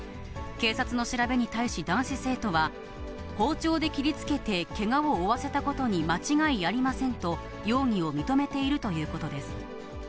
警察の調べに対し男子生徒は、包丁で切りつけて、けがを負わせたことに間違いありませんと、容疑を認めているということです。